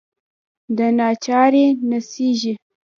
دناچارۍ نڅیږې